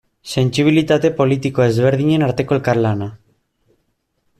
Sentsibilitate politiko ezberdinen arteko elkarlana.